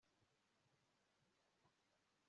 wigeze usura umujyi so yavukiyemo